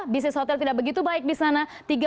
bisnis hotel tidak begitu baik di sana